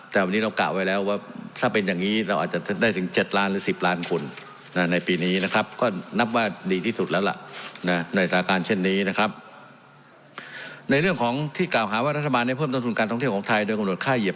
แต่วันนี้เรากล่าวไว้แล้วว่าถ้าเป็นอย่างงี้